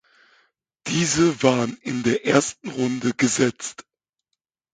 Diese waren in der ersten Runde gesetzt.